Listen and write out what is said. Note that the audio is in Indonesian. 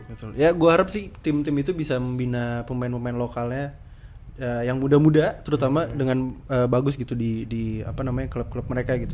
betul ya gue harap sih tim tim itu bisa membina pemain pemain lokalnya yang muda muda terutama dengan bagus gitu di klub klub mereka gitu